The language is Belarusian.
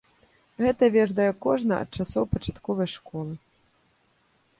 Гэта ведае кожны ад часоў пачатковай школы.